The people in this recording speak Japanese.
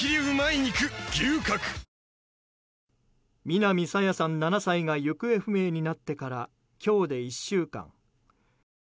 南朝芽さん、７歳が行方不明になってから今日で１週間。